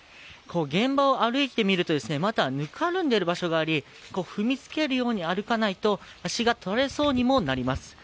現場を歩いてみると、まだぬかるんでいる場所があり、踏みつけるように歩かないと足が取られそうにもなります。